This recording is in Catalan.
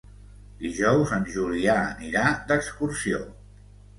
Dijous en Julià anirà d'excursió.